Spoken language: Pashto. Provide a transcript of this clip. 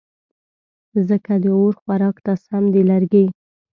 ځکه د اور خوراک ته سم دي لرګې